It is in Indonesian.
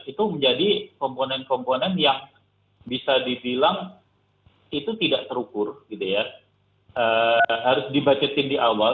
itu menjadi komponen komponen yang bisa dibilang itu tidak terukur gitu ya harus dibudgetin di awal